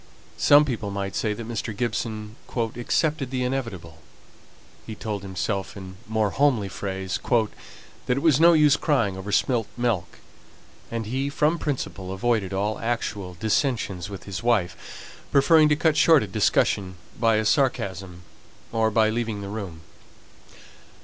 Some people might say that Mr. Gibson "accepted the inevitable;" he told himself in more homely phrase "that it was no use crying over spilt milk:" and he, from principle, avoided all actual dissensions with his wife, preferring to cut short a discussion by a sarcasm, or by leaving the room.